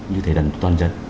như thế đắn toàn dân